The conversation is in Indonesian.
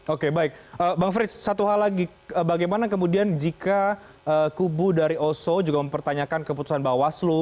oke baik bang frits satu hal lagi bagaimana kemudian jika kubu dari oso juga mempertanyakan keputusan bawaslu